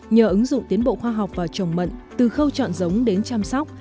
nhờ ứng dụng tiến bộ khoa học vào trồng mận từ khâu chọn giống đến chăm sóc